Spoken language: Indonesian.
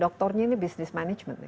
doktornya ini bisnis management